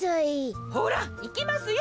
ほらいきますよ。